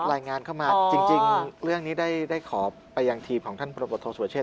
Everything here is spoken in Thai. รายงานเข้ามาจริงเรื่องนี้ได้ขอไปยังทีมของท่านประบทโทษสุรเชษ